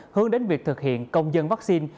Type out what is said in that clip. hướng đến việc thực hiện công dân vaccine